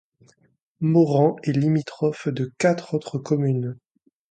Mauran est limitrophe de quatre autres communes.